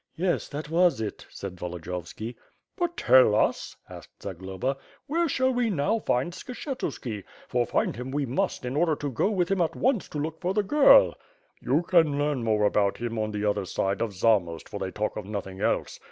"Yes, that was it," said Volodiyovski. "But tell us," asked Zagloba, "where shall we now find 5y5 ^^^^^^^^'^^^ SWORD. Skshetuski, "for, find him we must, in order to go with him at once to look for the girl/' "You can learn more about him on the other side of Za most for they talk of nothing else.